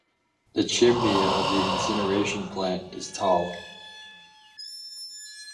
The chimney of the incineration plant is tall.